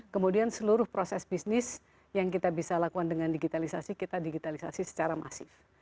kemudian seluruh proses bisnis yang kita bisa lakukan dengan digitalisasi kita digitalisasi secara masif